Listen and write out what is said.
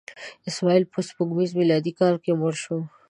اسماعیل په سپوږمیز میلادي کال کې مړ شو.